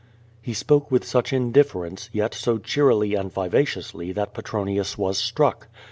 He spoke with such indifference, 3'et so cheerily and viva ciously that Petronius was struck.